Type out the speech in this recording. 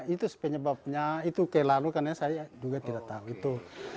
itu sepenyebabnya itu kelanu karena saya juga tidak tahu itu